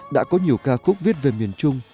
đã có nhiều ca khúc viết về miền trung